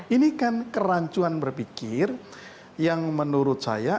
ini kan kerancuan berpikir yang menurut saya